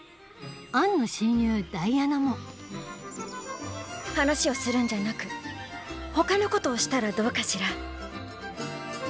アンの親友ダイアナも話をするんじゃなく他のことをしたらどうかしら？